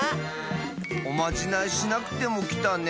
おまじないしなくてもきたね。